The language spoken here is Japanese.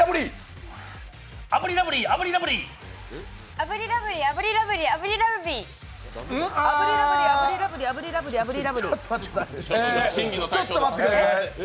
炙りラブリー炙りラブリー炙りラブリーちょっと待ってください。